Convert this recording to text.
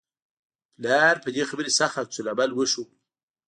پلار په دې خبرې سخت عکس العمل وښود